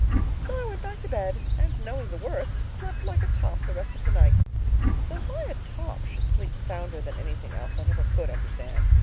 So I went back to bed, and knowing the worst, slept like a top the rest of the night. Though why a top should sleep sounder than anything else I never could understand.